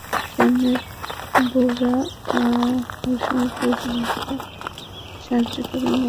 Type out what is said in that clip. সামনের বোরো মৌসুমের প্রয়োজনীয় সার চট্টগ্রাম বন্দর থেকে ইতিমধ্যেই পরিবহন শুরু হয়েছে।